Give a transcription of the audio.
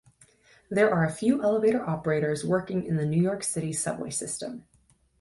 There are a few elevator operators working in the New York City Subway system.